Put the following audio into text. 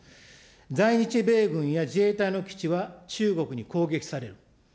在日米軍や自衛隊の基地は中国に攻撃される。